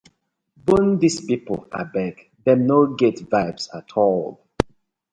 Bone dis pipu abeg, dem no get vibes atol.